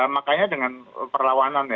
makanya dengan perlawanan